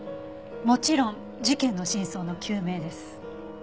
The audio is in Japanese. もちろん事件の真相の究明です。